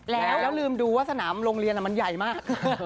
แล้วลืมดูว่าสนามโรงเรียนมันใหญ่มาก